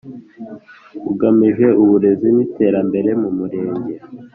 ugamije uburezi n iterambere mu murenge